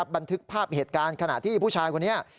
บันทึกภาพเหตุการณ์ขณะที่ผู้ชายคนนี้